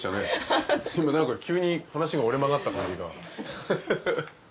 今何か急に話が折れ曲がった感じが。